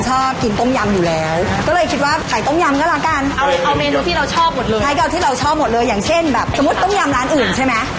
ชอบหมดเลยไทยเก้าที่เราชอบหมดเลยอย่างเช่นแบบสมมุติต้มยำร้านอื่นใช่ไหม